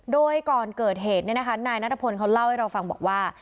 โดยก่อนเกิดเหตุนายนัทพลเขาเล่าให้เราฟังบอกว่า